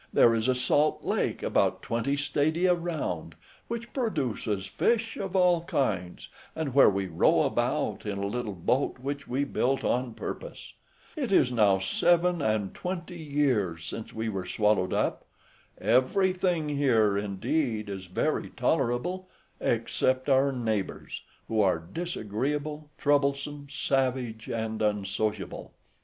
There is a salt lake, about twenty stadia round, which produces fish of all kinds, and where we row about in a little boat which we built on purpose. It is now seven and twenty years since we were swallowed up. Everything here, indeed, is very tolerable, except our neighbours, who are disagreeable, troublesome, savage, and unsociable."